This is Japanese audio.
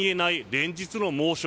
連日の猛暑。